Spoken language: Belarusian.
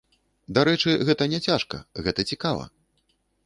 Дарэчы, гэта не цяжка, гэта цікава.